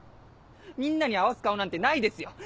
みんなに合わす顔なんてないですよ！